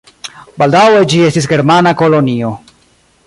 Baldaŭe ĝi estis germana kolonio.